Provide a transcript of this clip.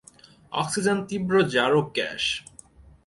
Oxygen তীব্র জারক gas.